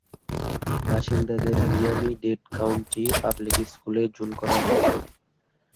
বাসিন্দাদের Miami Dade county public স্কুলে জোন করা হয়েছে।